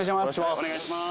お願いします。